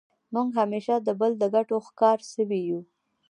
موږ همېشه د بل د ګټو ښکار سوي یو.